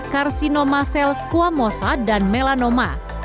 karsinoma sel squamosa dan melanoma